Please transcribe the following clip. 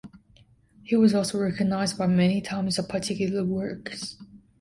He was also recognized many times for particular works.